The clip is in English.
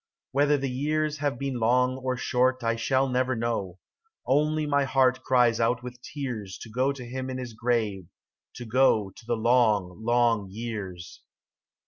Whether the years have been long or short I shall never know : Only my heart cries out with tears To go to him in his grave, to go To the long, long years.